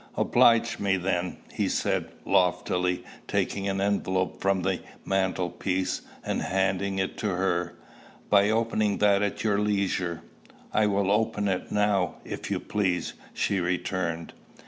"Oblige me, then," he said loftily, taking an envelope from the mantle piece, and handing it to her, "by opening that at your leisure." "I will open it now, if you please," she returned.